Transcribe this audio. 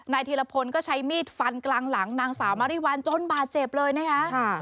ธีรพลก็ใช้มีดฟันกลางหลังนางสาวมาริวัลจนบาดเจ็บเลยนะคะ